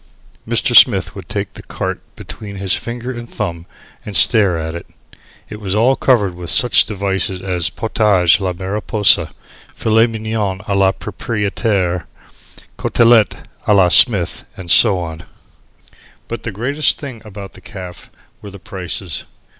Mr. Smith would take the carte between his finger and thumb and stare at it. It was all covered with such devices as Potage la Mariposa Filet Mignon a la proprietaire Cotellete a la Smith, and so on. But the greatest thing about the caff were the prices.